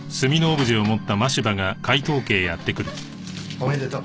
おめでとう。